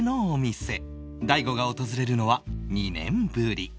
大悟が訪れるのは２年ぶり